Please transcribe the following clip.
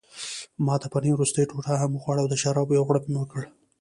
ما د پنیر وروستۍ ټوټه هم وخوړه او د شرابو یو غوړپ مې وکړ.